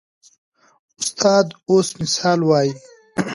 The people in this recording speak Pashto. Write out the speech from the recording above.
استاد اوس مثال وایي.